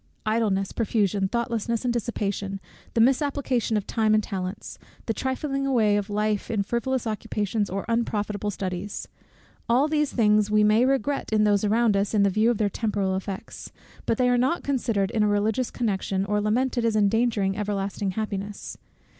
Idleness, profusion, thoughtlessness, and dissipation, the misapplication of time or of talents, the trifling away of life in frivolous occupations or unprofitable studies; all these things we may regret in those around us, in the view of their temporal effects; but they are not considered in a religious connection, or lamented as endangering everlasting happiness.